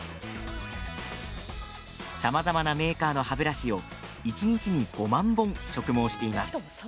さまざまなメーカーの歯ブラシを一日に５万本、植毛しています。